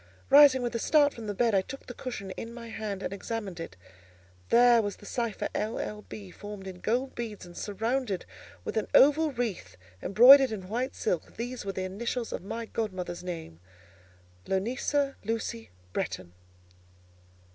Rising with a start from the bed, I took the cushion in my hand and examined it. There was the cipher "L. L. B." formed in gold beds, and surrounded with an oval wreath embroidered in white silk. These were the initials of my godmother's name—Lonisa Lucy Bretton.